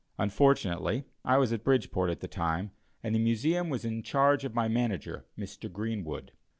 Unfortunately, I was in Bridgeport at the time, and the Museum was in charge of my manager, Mr. Greenwood.